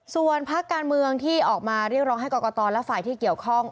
ส่วนพักการเมืองที่ออกมาเรียกร้องให้กรกตและฝ่ายที่เกี่ยวข้อง